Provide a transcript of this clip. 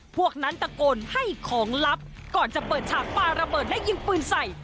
พวกนั้นตะโกนให้ของลับก่อนจะเปิดฉากปลาระเบิดและยิงปืนใส่